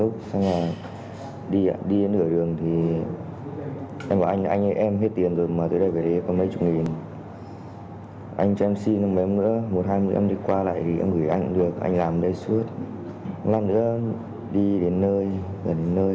khi đến đường thì em và anh em hết tiền rồi mà từ đây về đây có mấy chục nghìn anh cho em xin một em nữa một hai mươi em đi qua lại thì em gửi anh cũng được anh làm ở đây suốt lần nữa đi đến nơi gần đến nơi